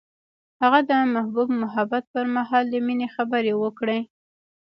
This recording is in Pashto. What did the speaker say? هغه د محبوب محبت پر مهال د مینې خبرې وکړې.